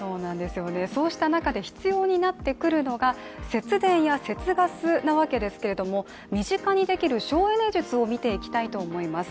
そうした中で必要になってくるのが節電や節ガスなわけですけど身近にできる省エネ術を見ていきたいと思います。